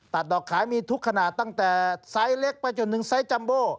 ดอกขายมีทุกขนาดตั้งแต่ไซส์เล็กไปจนถึงไซส์จัมโบ